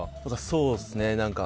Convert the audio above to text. そうですね。